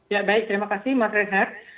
ya baik terima kasih mas reza